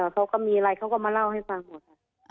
เขาก็มีอะไรเขาก็มาเล่าให้ฟังหมดค่ะ